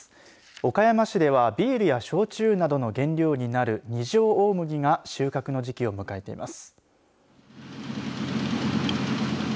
岡山市ではビールや焼酎などの原料になる二条大麦が収穫の時期を迎えています。